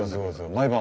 毎晩？